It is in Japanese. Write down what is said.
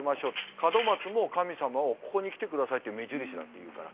門松も神様をここに来てくださいっていう目印だっていうから。